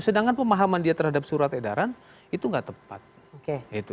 sedangkan pemahaman dia terhadap surat edaran itu nggak tepat